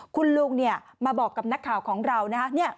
คุณลุงเนี่ยมาบอกกับนักข่าวของเรานะ